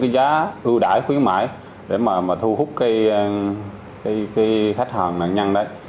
khuyến khuyến mại để mà thu hút cái khách hàng nạn nhân đấy